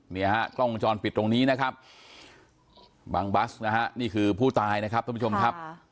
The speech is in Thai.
เนี่ยฮะกล้องวงจรปิดตรงนี้นะครับบังบัสนะฮะนี่คือผู้ตายนะครับท่านผู้ชมครับ